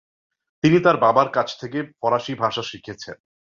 তিনি তার বাবার কাছ থেকে ফারসি ভাষা শিখেছেন।